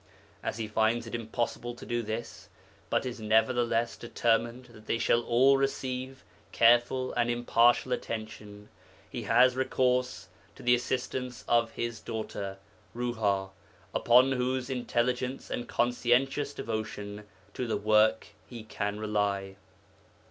As he finds it impossible to do this, but is nevertheless determined that they shall all receive careful and impartial attention, he has recourse to the assistance of his daughter Ruha, upon whose intelligence and conscientious devotion to the work he can rely.